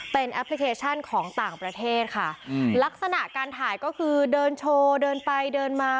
เป็นแอปพลิเคชันของต่างประเทศค่ะอืมลักษณะการถ่ายก็คือเดินโชว์เดินไปเดินมา